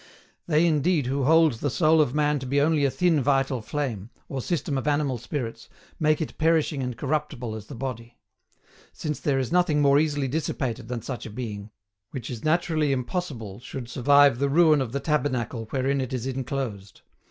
They indeed who hold the soul of man to be only a thin vital flame, or system of animal spirits, make it perishing and corruptible as the body; since there is nothing more easily dissipated than such a being, which it is naturally impossible should survive the ruin of the tabernacle wherein it is enclosed.